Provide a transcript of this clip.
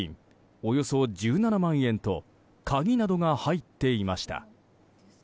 およそ１７万円と鍵などが入っていました。